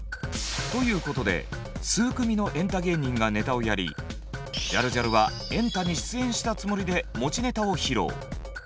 ということで数組のエンタ芸人がネタをやりジャルジャルは「エンタ」に出演したつもりで持ちネタを披露。